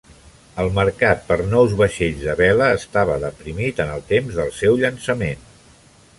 El mercat per nous vaixells de vela estava deprimit en el temps del seu llançament.